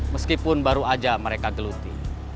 meskipun baru saja mereka geluti